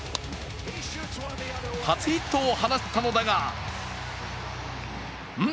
初ヒットを放ったのだがん？